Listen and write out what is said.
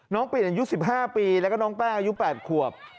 ปิ่นอายุ๑๕ปีแล้วก็น้องแป้งอายุ๘ขวบ